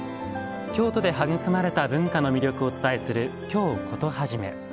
京都で育まれた文化の魅力をお伝えする「京コトはじめ」。